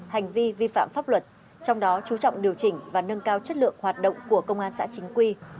hành vi vi phạm pháp luật trong đó chú trọng điều chỉnh và nâng cao chất lượng hoạt động của công an xã chính quy